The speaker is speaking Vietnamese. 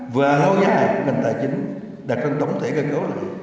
và lo dài của ngân sách tài chính đạt phân tổng thể cơ cấu lợi